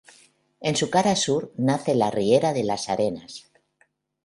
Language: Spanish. En su cara sur nace la riera de las Arenas.